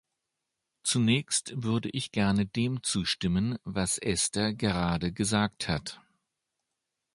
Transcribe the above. Zunächst würde ich gerne dem zustimmen, was Esther gerade gesagt hat.